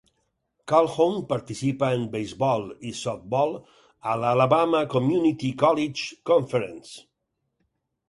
Calhoun participa en beisbol i softbol a la Alabama Community College Conference.